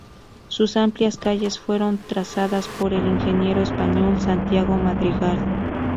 Sus amplias calles fueron trazadas por el ingeniero español Santiago Madrigal.